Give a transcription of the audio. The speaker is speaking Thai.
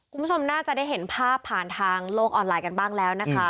คุณผู้ชมน่าจะได้เห็นภาพผ่านทางโลกออนไลน์กันบ้างแล้วนะคะ